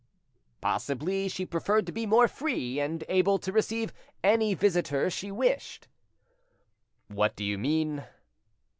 "Possibly she preferred to be more free, and able to receive any visitor she wished." "What do you mean?"